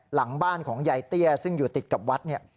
หลังบ้านของยายเตี้ยซึ่งอยู่ติดกับวัดเนี่ย